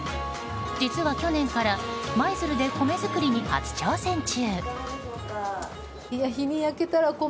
実は、去年から舞鶴で米作りに初挑戦中。